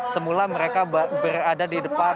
semula mereka berada di depan